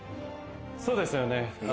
そうですよね。